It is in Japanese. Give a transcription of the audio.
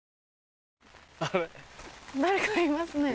誰かいますね。